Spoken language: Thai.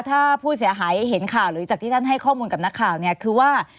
ถ้าผู้เสียหายเห็นข่าวหรือจากที่ท่านให้ข้อมูลกับนักข่าวเนี่ยคือว่า